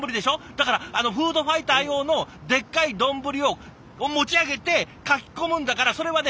だからフードファイター用のでっかい丼を持ち上げてかき込むんだからそれはね